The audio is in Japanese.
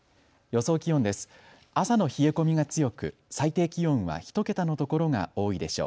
予想気温です。